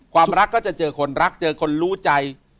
ความรักก็จะเจอคนรักเจอคนรู้ใจ